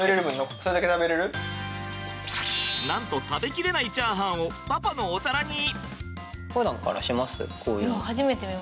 なんと食べきれないチャーハンをパパのお皿に！